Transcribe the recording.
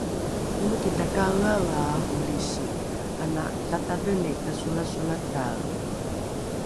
omiki takaeaea arolisi ana latadheni tasolasolatae